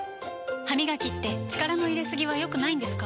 歯みがきって力の入れすぎは良くないんですか？